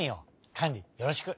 カンリよろしく！